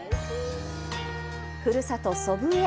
ふるさと祖父江